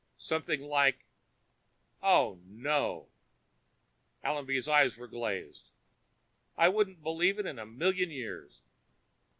Something like oh, no!" Allenby's eyes glazed. "I wouldn't believe it in a million years."